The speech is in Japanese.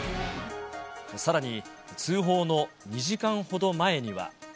さらに、通報の２時間ほど前には。